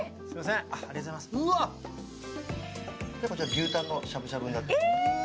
牛タンのしゃぶしゃぶになっています。